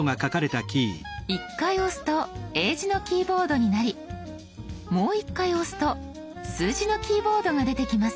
１回押すと英字のキーボードになりもう１回押すと数字のキーボードが出てきます。